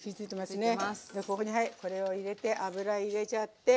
じゃあここにはいこれを入れて油入れちゃって。